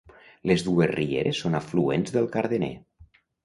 Les dues rieres són afluents del Cardener.